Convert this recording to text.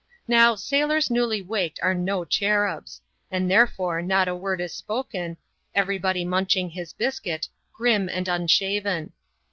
Now, sailors newly waked are no cherubs ; and therefore not a word is spoken, every body munching his biscuit, grim and unshaven.